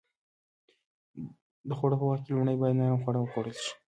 د خوړو په وخت کې لومړی باید نرم خواړه وخوړل شي.